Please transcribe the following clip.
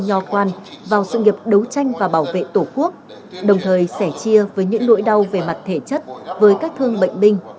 các đồng chí thương bệnh binh nhò quan vào sự nghiệp đấu tranh và bảo vệ tổ quốc đồng thời sẻ chia với những nỗi đau về mặt thể chất với các thương bệnh binh